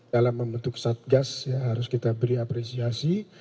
dalam membentuk satgas ya harus kita beri apresiasi